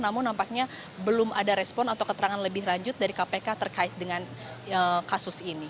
namun nampaknya belum ada respon atau keterangan lebih lanjut dari kpk terkait dengan kasus ini